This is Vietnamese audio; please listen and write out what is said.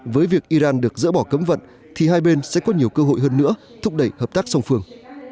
với việc iran được dỡ bỏ cấm vận thì hai bên sẽ có nhiều cơ hội hơn nữa thúc đẩy hợp tác song phương